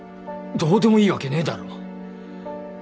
どうでもいいわけねえだろ